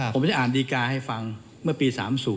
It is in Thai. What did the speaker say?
ผมได้อ่านดีการ์ให้ฟังเมื่อปี๓๐